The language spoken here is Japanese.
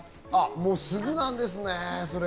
もうすぐなんですね。